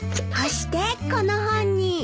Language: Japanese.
押してこの本に。